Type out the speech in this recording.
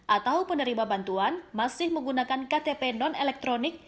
atau penerima bantuan masih menggunakan ktp non elektronik